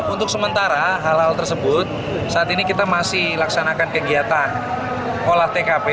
untuk sementara hal hal tersebut saat ini kita masih laksanakan kegiatan olah tkp